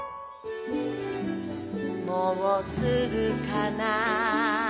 「もうすぐかな？」